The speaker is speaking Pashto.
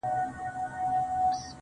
هغه غزلخُمارې ته ولاړه ده حيرانه~